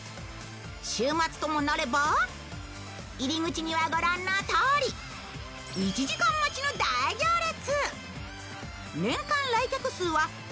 週末ともなれば、入り口にはご覧のとおり、１時間待ちの大行列。